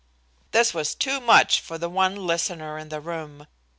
This was too much for the one listener in the room.